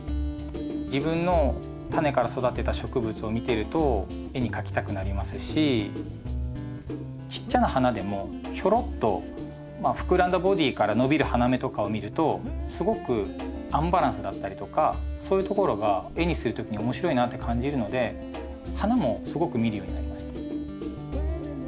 自分のタネから育てた植物を見てると絵に描きたくなりますしちっちゃな花でもひょろっとまあ膨らんだボディーから伸びる花芽とかを見るとすごくアンバランスだったりとかそういうところが絵にする時に面白いなって感じるので花もすごく見るようになりました。